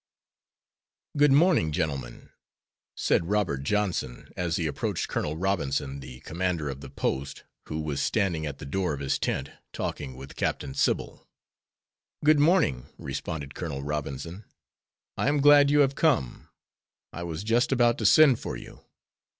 "Good morning, gentlemen," said Robert Johnson, as he approached Colonel Robinson, the commander of the post, who was standing at the door of his tent, talking with Captain Sybil. "Good morning," responded Colonel Robinson, "I am glad you have come. I was just about to send for you.